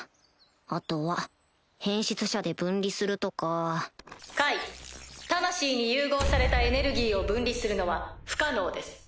あとは変質者で分離するとか解魂に融合されたエネルギーを分離するのは不可能です。